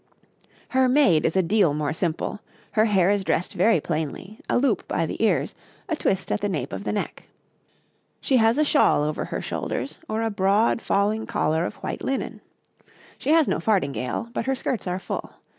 Her maid is a deal more simple; her hair is dressed very plainly, a loop by the ears, a twist at the nape of the neck. She has a shawl over her shoulders, or a broad falling collar of white linen. She has no fardingale, but her skirts are full.